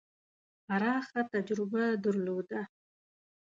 پراخه تجربه درلوده.